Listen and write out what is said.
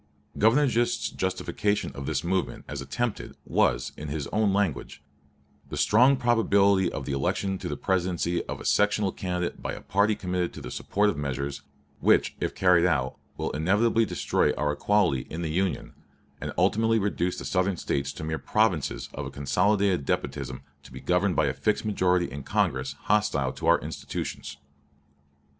Governor Gist's justification of this movement as attempted was (in his own language) "the strong probability of the election to the Presidency of a sectional candidate by a party committed to the support of measures, which if carried out will inevitably destroy our equality in the Union, and ultimately reduce the Southern States to mere provinces of a consolidated despotism to be governed by a fixed majority in Congress hostile to our institutions."